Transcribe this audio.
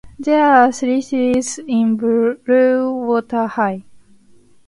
There are three series in Blue Water High.